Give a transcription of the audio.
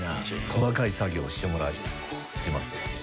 細かい作業をしてもらってます。